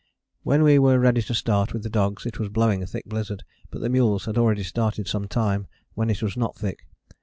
_ When we were ready to start with the dogs it was blowing a thick blizzard, but the mules had already started some time, when it was not thick.